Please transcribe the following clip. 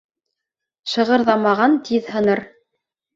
Шығырҙамаған тиҙ һынар.